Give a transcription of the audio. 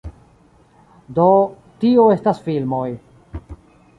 Do, tio estas filmoj